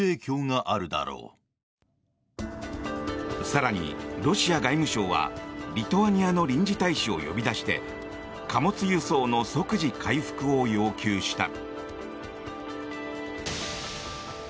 更に、ロシア外務省はリトアニアの臨時大使を呼び出して貨物輸送の即時回復を要求した。